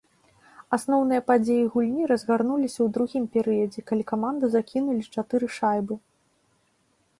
Асноўныя падзеі гульні разгарнуліся ў другім перыядзе, калі каманда закінулі чатыры шайбы.